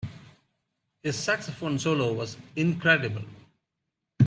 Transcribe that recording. His saxophone solo was incredible.